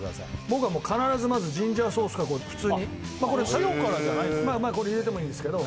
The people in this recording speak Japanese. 僕は必ずまずジンジャーソースからお塩からじゃないんですね